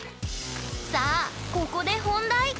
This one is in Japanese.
さあここで本題！